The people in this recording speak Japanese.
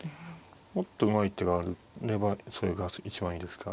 もっとうまい手があればそれが一番いいですか。